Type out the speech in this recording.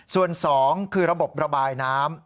ส่วน๒คือระบบระบายน้ำ